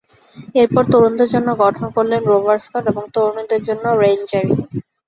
এরপর তরুণদের জন্য গঠন করলেন ‘রোভার স্কাউট’ এবং তরুণীদের জন্য ‘রেঞ্জারিং’।